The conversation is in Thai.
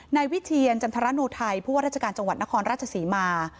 นายวิเทียนจันทรโนไทยผู้ว่าราชการจังหวัดนครราชศรีมา